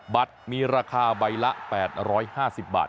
บัตรมีราคาใบละ๘๕๐บาท